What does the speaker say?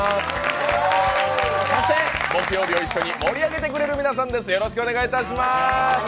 そして、木曜日を一緒に盛り上げてくれる皆さんです！